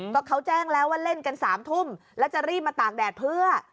ก็เขาแจ้งแล้วว่าเล่นกัน๓ทุ่มแล้วจะรีบมาตากแดดเพื่อ